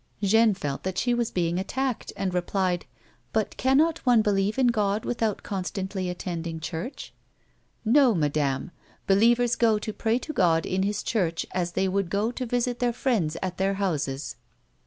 Jeanne felt that she was being attacked, and replied :" But cannot one believe in God without constantly attending church 1 "" No, madame. Believers go to pray to God in His church, as they would go to visit their friends at their houses."